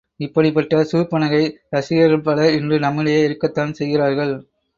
இப்படிப்பட்ட சூர்ப்பனகை ரசிகர்கள் பலர் இன்று நம்மிடையே இருக்கத்தான் செய்கிறார்கள்.